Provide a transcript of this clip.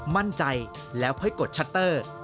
มั่นใจแล้วค่อยกดชัตเตอร์